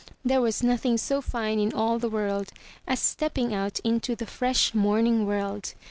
There was nothing so fine in all the world as stepping out into the fresh morning world.